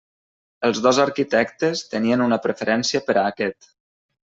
Els dos arquitectes tenien una preferència per a aquest.